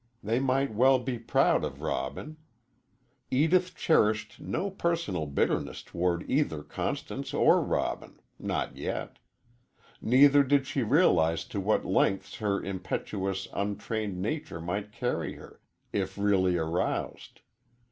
They might well be proud of Robin. Edith cherished no personal bitterness toward either Constance or Robin not yet. Neither did she realize to what lengths her impetuous, untrained nature might carry her, if really aroused.